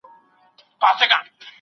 که ته نه وای تللی نو څېړنه به بشپړه وه.